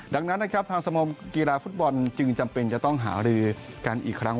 ดังนั้นนะครับทางสมกีฬาฟุตบอลจึงจำเป็นจะต้องหารือกันอีกครั้ง